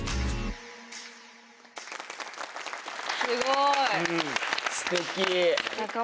すごい！